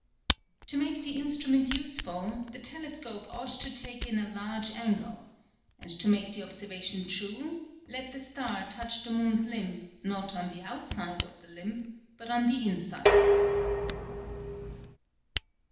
To make the Instrument useful, the Telescope ought to take in a large Angle: And to make the Observation true, let the Star touch the Moon's Limb, not on the Outside of the Limb, but on the Inside.